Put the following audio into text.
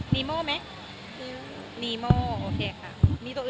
ชอบใครคะ